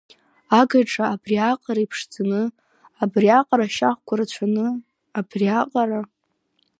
Агаҿа абри аҟара иԥшӡаны, абри аҟара ашхәақәа рацәаны, абриаҟара…